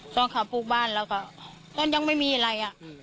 ตอนเขาปลูกบ้านแล้วก็ยังไม่มีอะไร